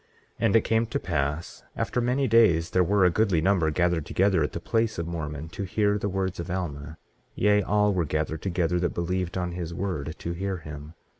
18:7 And it came to pass after many days there were a goodly number gathered together at the place of Mormon, to hear the words of Alma. Yea, all were gathered together that believed on his word, to hear him.